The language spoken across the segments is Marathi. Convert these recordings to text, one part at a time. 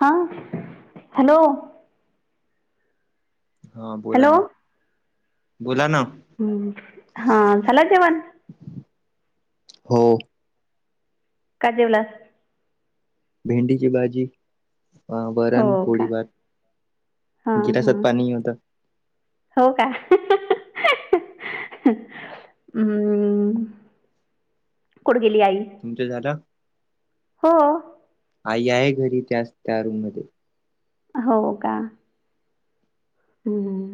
हां, हॅलो. हा बोला हॅलो ना, बोला ना. हम्म. हा झालं जेवण हो. का जेवलात. भेंडीची भाजी. अ हो वरण, का पोळी, भात हा हा गिलासात पाणी होत. हो का. हं, कुठ गेली आई. तुमच्या झालं. हो. आई आहे घरी, त्याच त्या रूम मध्ये. हो का. हं- हं.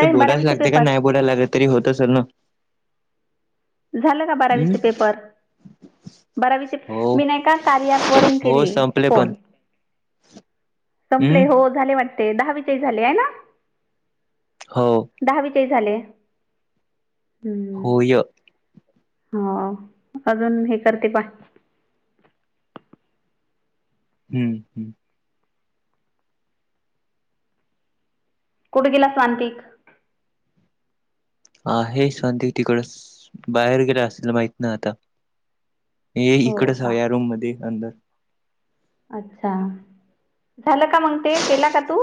तर बोलायच बारावीचे लागते का, पेपर नाही बोलायला लागल तरी होत असेल ना. झालं का हम्म बारावीचे पेपर. बरावीच हो मी नाही का कार्या ॲप वरून हो केली संपले पण फोन. संपले हम्म हो झाले वाटते दहावीचे ही झाले हो ना. हो. दहावी चे ही झाले. होय हा अजून हे करते हम्म- हम्म. कुठे गेला सांतिक. आहे सांतिक तिकडचं, बाहेर गेला असेल माहित नाही आता. ये हो इकडच हाय का या रूम मध्ये अंदर. अच्छा, झालं का मंग ते केला का तू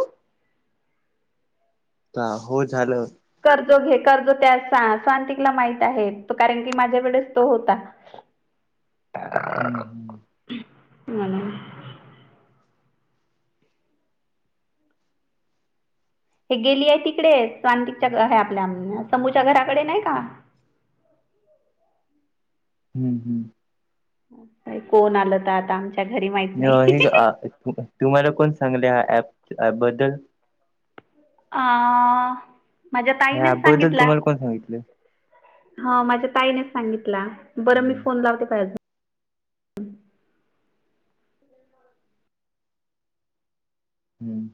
हां हो झालं. कर्जो कर्जो त्या स्वांंतिकला माहित आहे कारण की माझ्याकडेच तो होता. [inaudible] हम्म -हम्म. मला हे गेली आहे तिकडे सांतिकच्या, हे आपल्या समूच्या घराकडे नाही का. हम्म- हम्म. कोण आलं तर आता म्हणजे हे तुम्हाला कोण सांगले ह्या ऍप बद्दल. आं, माझ्या ताईनंच ह्याबद्दल सांगितलं. तुम्हाला कोण सांगितलं? हा माझ्या ताईनंच सांगितला, बरं मी फोन लावते पहा अजून. हम्म.